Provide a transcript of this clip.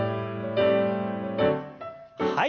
はい。